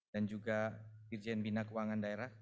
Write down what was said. dan juga dirjen bina keuangan daerah